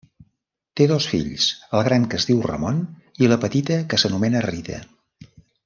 Té dos fills el gran que es diu Ramon i la petita que s'anomena Rita.